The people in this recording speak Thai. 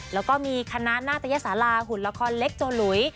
แล้วก็มีคณะนาตยสาราหุ่นละครเล็กโจหลุย